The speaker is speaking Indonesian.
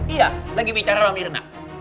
iya lagi bicara sama mirna